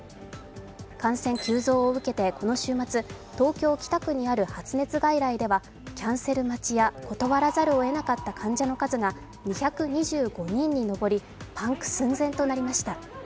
感染急増を受けてこの週末、東京・北区にある発熱外来では、キャンセル待ちや断らざるをえなかった患者の数が２２５人に上りパンク寸前となりました。